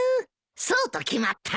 そうと決まったら。